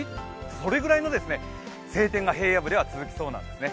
それぐらいの晴天が平野部では続きそうなんですね。